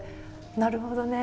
なるほどね。